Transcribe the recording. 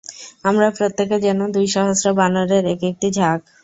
আমরা প্রত্যেকে যেন দুই সহস্র বানরের এক-একটি ঝাঁক।